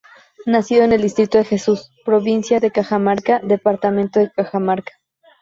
Nacido en el distrito de Jesús, provincia de Cajamarca, departamento de Cajamarca.